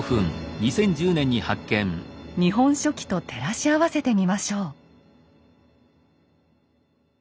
「日本書紀」と照らし合わせてみましょう。